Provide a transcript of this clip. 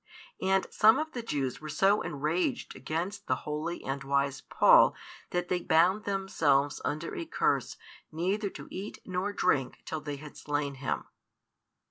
And some of the Jews were so enraged against the holy and wise Paul that they bound themselves under a curse neither to eat nor to drink till they had slain him.